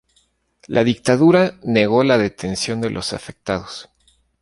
La dictadura negó la detención de los afectados.